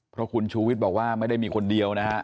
เพราะคุณชูวิทย์บอกว่าไม่ได้มีคนเดียวนะฮะ